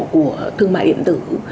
của thương mại điện tử